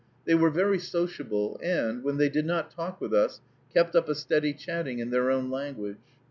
They were very sociable, and, when they did not talk with us, kept up a steady chatting in their own language.